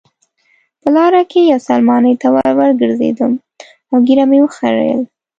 په لاره کې یوې سلمانۍ ته وروګرځېدم او ږیره مې وخریل.